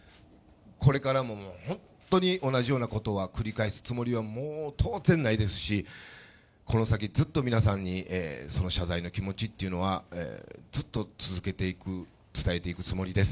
これからも本当に同じようなことは繰り返すつもりは、もう当然ないですし、この先ずっと皆さんに、その謝罪の気持ちっていうのは、ずっと続けていく、伝えていくつもりです。